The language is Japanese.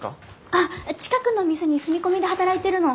あっ近くの店に住み込みで働いてるの。